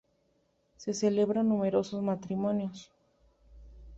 Se celebran numerosos matrimonios.